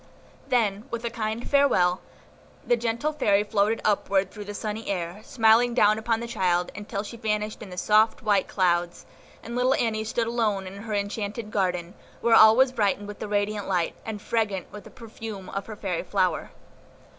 Then, with a kind farewell, the gentle Fairy floated upward through the sunny air, smiling down upon the child, until she vanished in the soft, white clouds, and little Annie stood alone in her enchanted garden, where all was brightened with the radiant light, and fragrant with the perfume of her fairy flower.